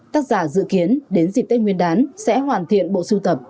tác giả dự kiến đến dịp tết nguyên đán sẽ hoàn thiện bộ sưu tập